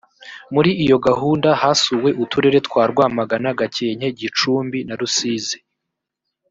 muri iyo gahunda hasuwe uturere twa rwamagana, gakenke, gicumbi na rusizi